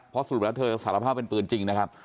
เพราะสรุปแล้วเธอสารภาพเป็นปืนจริงนะครับ